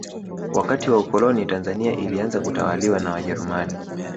wakati wa ukoloni tanzania ilianza kutawaliwa na wajerumani